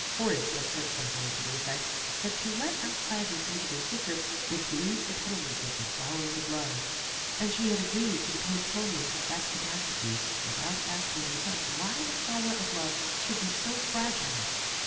Horace had said some thing to the effect that to let outsiders into their secret would bruise the petals of the flower of love, and she had agreed to the post ponement of that catastrophe, without asking herself why the flower of love should be so fragile.